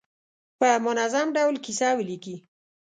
په منظم ډول کیسه ولیکي.